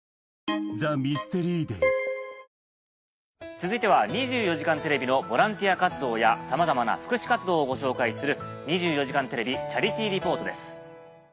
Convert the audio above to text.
続いては『２４時間テレビ』のボランティア活動やさまざまな福祉活動をご紹介する。